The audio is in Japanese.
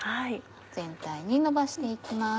全体にのばして行きます。